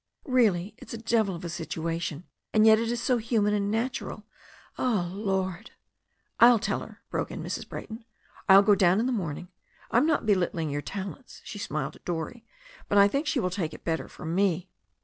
Really, it's a devil of a situation, and yet it is so human and natural. Oh, Lord !" "I'll tell her," broke in Mrs. Brayton. "I'll go down in 104 THE STORY OF A NEW ZEALAND RIVER the morning. I'm not belittling your talents" — she smiled at Dorrie — "but I think she will take it better from me."